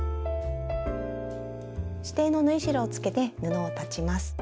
指定の縫い代をつけて布を裁ちます。